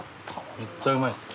めっちゃうまいですよ